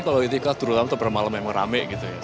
kalau itikaf turul hamtab bermalam memang rame gitu ya